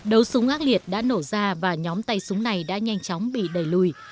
đấu súng ác liệt đã nổ ra và nhóm tay súng này đã nhanh chóng bị đẩy lùi